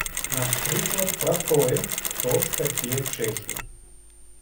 Напрыклад, пра тое, хто ж такія чэхі.